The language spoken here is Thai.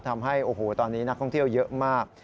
ทำให้โอ้โหตอนนี้นักท่องเที่ยวเยอะมาก